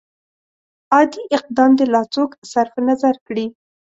عادي اقدام دې لا څوک صرف نظر کړي.